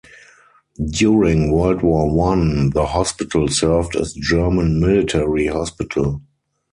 During World War One, the Hospital served as German military hospital.